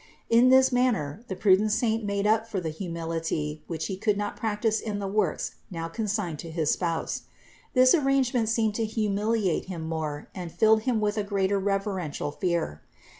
In this manner the prudent saint made up for the humility, which he could not prac tice in the works now consigned to his Spouse. This arrangement seemed to humiliate him more and filled him with a greater reverential fear.